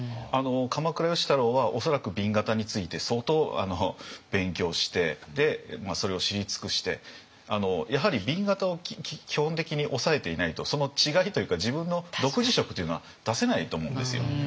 鎌倉芳太郎は恐らく紅型について相当勉強してそれを知り尽くしてやはり紅型を基本的に押さえていないとその違いというか自分の独自色というのは出せないと思うんですよ。